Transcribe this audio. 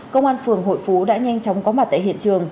công an phường hội phú đã nhanh chóng có mặt tại hiện trường